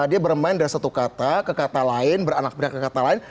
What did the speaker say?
dia bermain dari satu kata ke kata lain beranak pindah ke kata lain